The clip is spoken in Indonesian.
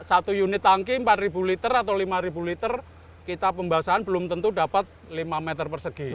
satu unit tangki empat ribu liter atau lima liter kita pembasahan belum tentu dapat lima meter persegi